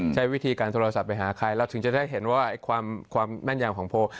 ใช้วิธีการโทรศัพท์ไปหาใครเราถึงจะได้เห็นว่าความแม่นยำของโพล